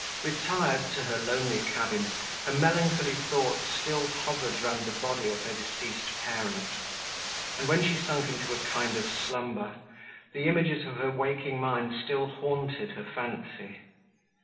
Retired to her lonely cabin, her melancholy thoughts still hovered round the body of her deceased parent; and, when she sunk into a kind of slumber, the images of her waking mind still haunted her fancy.